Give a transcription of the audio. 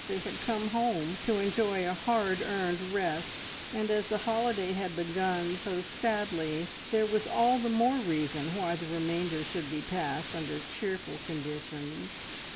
They had come home to enjoy a hard earned rest, and as the holiday had begun so sadly there was all the more reason why the remainder should be passed under cheerful conditions.